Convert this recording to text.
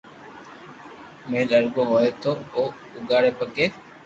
مھل ارگو ھوئي تو او اوگاڙي پگي